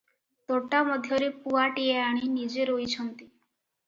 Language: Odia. ତୋଟା ମଧ୍ୟରେ ପୁଆଟିଏ ଆଣି ନିଜେ ରୋଇଛନ୍ତି ।